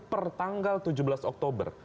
pertanggal tujuh belas oktober